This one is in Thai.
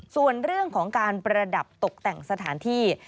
ส่วนเรื่องของการประดับตกแต่งสถานที่